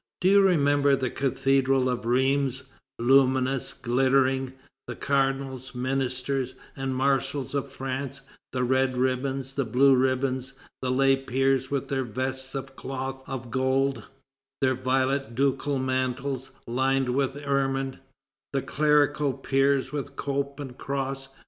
Do you remember the Cathedral of Rheims, luminous, glittering; the cardinals, ministers, and marshals of France, the red ribbons, the blue ribbons, the lay peers with their vests of cloth of gold, their violet ducal mantles lined with ermine; the clerical peers with cope and cross?